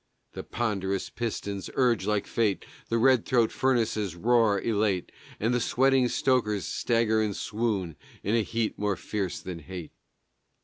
The ponderous pistons urge like fate, The red throat furnaces roar elate, And the sweating stokers stagger and swoon In a heat more fierce than hate.